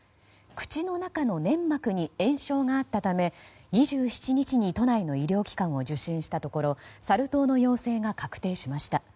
口の中の粘膜に炎症があったため２７日に都内の医療機関を受診したところサル痘の陽性が確定しました。